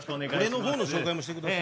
俺のほうの紹介もしてください